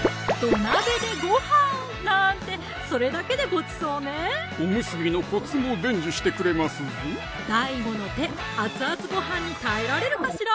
「土鍋でごはん」なんてそれだけでごちそうねおむすびのコツも伝授してくれますぞＤＡＩＧＯの手熱々ごはんに耐えられるかしら？